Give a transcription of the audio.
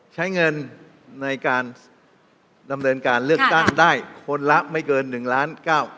ใช้เงินในการดำเนินการเลือกตั้งได้คนละไม่เกิน๑ล้านเก้า